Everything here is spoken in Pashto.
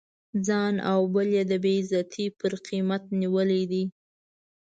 ځان او بل یې د بې غیرتی پر قیمت نیولی دی.